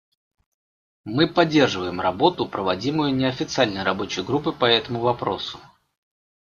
Мы поддерживаем работу, проводимую Неофициальной рабочей группой по этому вопросу.